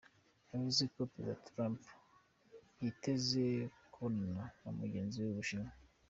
Yavuze ko perezida Trump yiteze kubonana na mugenziwe w'Ubushinwa.